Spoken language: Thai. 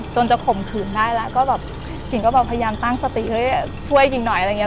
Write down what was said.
จะข่มขืนได้แล้วก็แบบกิ่งก็แบบพยายามตั้งสติเฮ้ยช่วยกิ่งหน่อยอะไรอย่างนี้